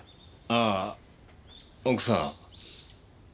ああ奥さん。